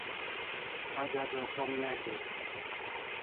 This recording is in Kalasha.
Aj adua krom ne hiu